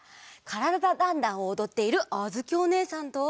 「からだ☆ダンダン」をおどっているあづきおねえさんと。